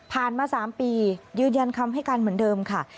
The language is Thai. มา๓ปียืนยันคำให้การเหมือนเดิมค่ะ